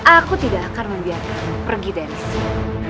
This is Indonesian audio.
aku tidak akan membiarkan pergi dari sini